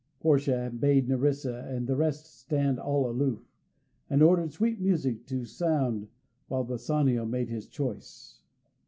Portia bade Nerissa and the rest stand all aloof, and ordered sweet music to sound while Bassanio made his choice.